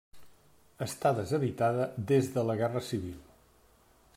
Està deshabitada des de la Guerra Civil.